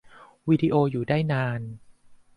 วีดิโออยู่ได้นาน